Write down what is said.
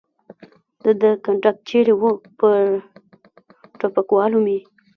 د ده کنډک چېرې و؟ پر ټوپکوالو مې.